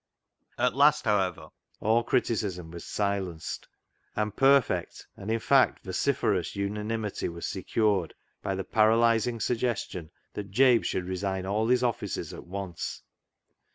At last, however, all criticism was silenced ; and perfect, and, in fact, vociferous unanimity was secured, by the paralysing suggestion that Jabe should resign all his offices at once.